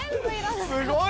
すごいね。